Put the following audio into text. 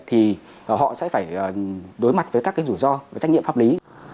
thì họ sẽ phải đối mặt với các cái rủi ro về trách nhiệm pháp lý